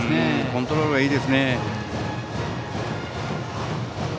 コントロールがいいですね。